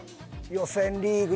予選リーグ